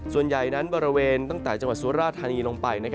ส่วนใหญ่นั้นบริเวณตั้งแต่จังหวัดสุราธานีลงไป